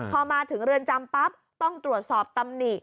พอมาถึงเรือนจำปั๊บต้องตรวจสอบตำหนิ